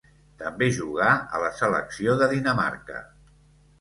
També jugà a la selecció de Dinamarca.